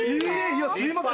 すいません。